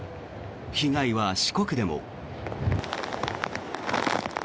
被害は四国でも。